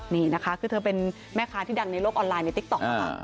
นี่นะคะคือเธอเป็นแม่ค้าที่ดังในโลกออนไลน์ในติ๊กต๊อกนะคะ